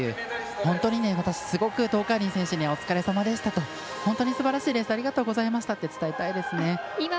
本当に私、すごく東海林選手にはお疲れさまでしたと本当にすばらしいレースありがとうございましたと伝えたいですね。